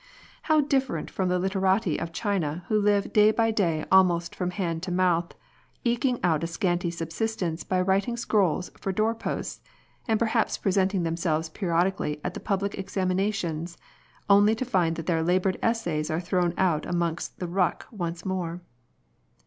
How diflferent from the literati of China who live day by day almost from hand to mouth, eking out a scanty subsistence by writing scrolls for door posts, and per haps presenting themselves periodically at the public examinations, only to find that their laboured essays are thrown out amongst the ruck once more